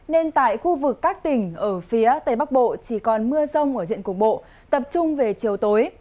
nên tại khu vực các tỉnh ở phía tây bắc bộ chỉ còn mưa rông ở diện cục bộ tập trung về chiều tối